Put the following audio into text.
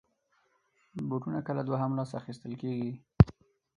بوټونه کله دوهم لاس اخېستل کېږي.